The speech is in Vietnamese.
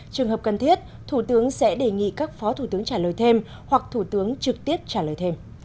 trường hợp cần thiết thủ tướng sẽ đề nghị các phó thủ tướng trả lời thêm hoặc thủ tướng trực tiếp trả lời thêm